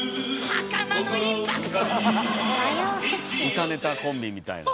歌ネタコンビみたいな。